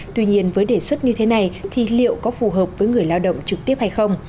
tuy nhiên với đề xuất như thế này thì liệu có phù hợp với người lao động trực tiếp hay không